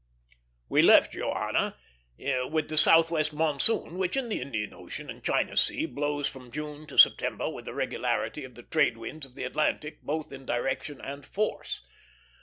We left Johanna with the southwest monsoon, which in the Indian Ocean and China Sea blows from June to September with the regularity of the trade winds of the Atlantic, both in direction and force.